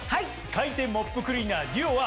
回転モップクリーナーＤＵＯは。